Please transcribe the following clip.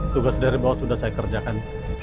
tugas dari bawah sudah saya kerjakan